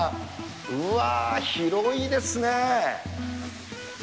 うわー、広いですね。